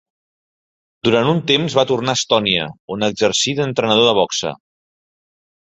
Durant un temps va tornar a Estònia, on exercí d'entrenador de boxa.